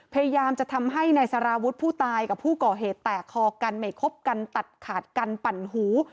พยายามจะทำให้นายสารวุฒิผู้ตายกับผู้ก่อเหตุแตกคอกันไม่คบกันตัดขาดกันปั่นหู